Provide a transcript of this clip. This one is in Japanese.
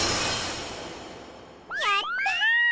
やった！